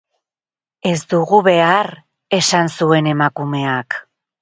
Ez dugu behar, esan zuen emakumeak.